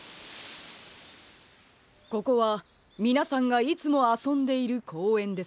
ここはみなさんがいつもあそんでいるこうえんですね。